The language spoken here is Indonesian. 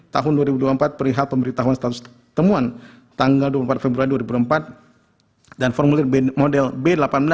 tahun dua ribu dua puluh empat perihal pemberitahuan status temuan tanggal dua puluh empat februari dua ribu empat dan formulir model b delapan belas